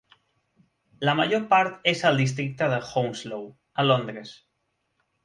La major part és al districte de Hounslow, a Londres.